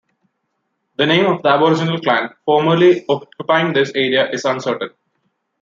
The name of the Aboriginal clan formerly occupying this area is uncertain.